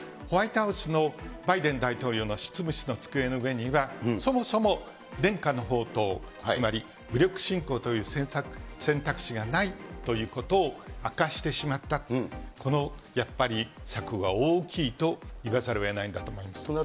ホワイトハウスのバイデン大統領の執務室の机の上には、そもそも伝家の宝刀、つまり武力侵攻という選択肢がないということを明かしてしまったと、このやっぱり、策が大きいといわざるをえないんだと思います。